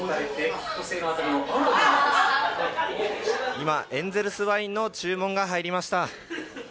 今、エンゼルスワインの注文が入りました。